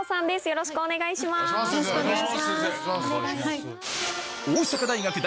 よろしくお願いします。